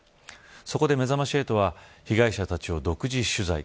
そこで、めざまし８は被害者たちを独自取材。